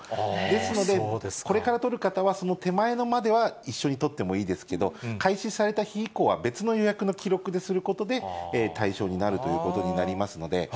ですので、これから取る方は、その手前までは一緒に取ってもいいですけど、開始された日以降は、別の予約の記録をすることで対象になるということになりますので。